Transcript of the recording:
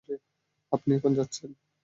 আপনি এখন যাচ্ছেন?